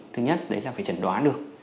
thứ nhất đấy là phải chẩn đoán được